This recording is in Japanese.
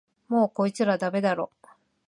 もうこいつらダメだろ